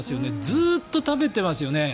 ずっと食べてますよね